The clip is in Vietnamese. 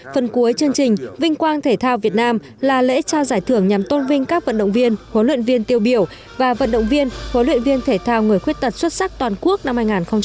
phần cuối chương trình vinh quang thể thao việt nam là lễ trao giải thưởng nhằm tôn vinh các vận động viên huấn luyện viên tiêu biểu và vận động viên huấn luyện viên thể thao người khuyết tật xuất sắc toàn quốc năm hai nghìn một mươi chín